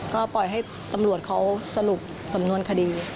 ก็ปล่อยให้ตำรวจเขาสรุปสำนวนคดี